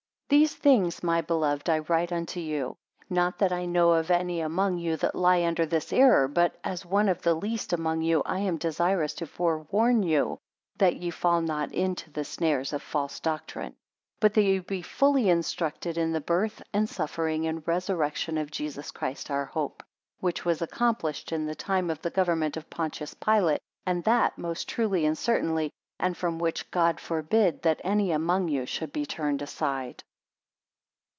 12 These things, my beloved, I write unto you; not that I know of any among you that lie under this error: but as one of the least among you, I am desirous to forewarn you, that ye fall not into the snares of false doctrine. 13 But that ye be fully instructed in the birth, and suffering, and resurrection of Jesus Christ, our hope; which was accomplished in the time of the government of Pontius Pilate, and that most truly and certainly: and from which God forbid that any among you should be turned aside.